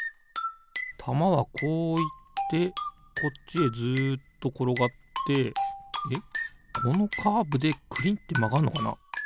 たまはこういってこっちへずっところがってえっこのカーブでくりってまがんのかな？